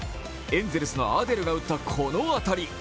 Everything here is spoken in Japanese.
エンゼルスのアデルが打った、この当たり。